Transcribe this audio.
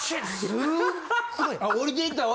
すっごい。